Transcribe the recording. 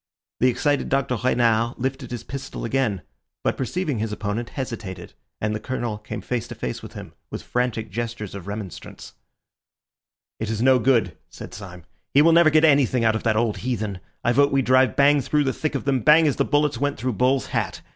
The excited Dr. Renard lifted his pistol again, but perceiving his opponent, hesitated, and the Colonel came face to face with him with frantic gestures of remonstrance. "It is no good," said Syme. "He will never get anything out of that old heathen. I vote we drive bang through the thick of them, bang as the bullets went through Bull's hat.